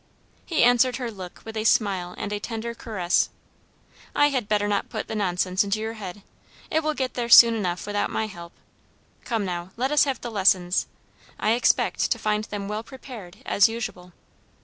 He answered her look with a smile and a tender caress. "I had better not put the nonsense into your head: it will get there soon enough without my help. Come now, let us have the lessons. I expect to find them well prepared, as usual."